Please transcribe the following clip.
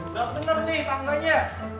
udah pener nih tangganya